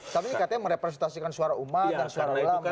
tapi katanya merepresentasikan suara umat dan suara ulama